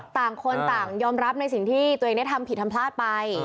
ต่างคนต่างยอมรับในสิ่งที่ตัวเองได้ทำผิดทำพลาดไป